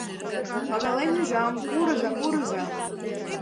Пагален ӱжам, пурыза, пурыза!